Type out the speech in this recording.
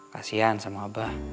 kasian sama abah